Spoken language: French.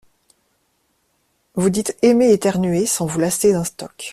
Vous dites aimer éternuer sans vous lasser d'un stock.